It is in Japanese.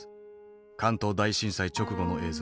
関東大震災直後の映像。